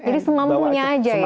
jadi semampunya saja ya